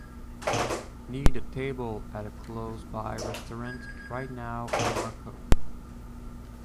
need a table at a close-by restaurant right now in Marco